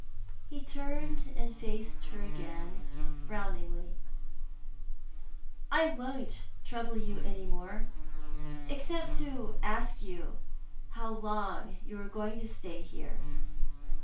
Ke turned and faced her again, frowuingly. " I won't trouble you any more, except to ask how long you are going to stay here."